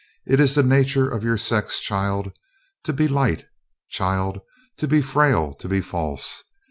"It is the nature of your sex, child, to be light, child, to be frail, to be false.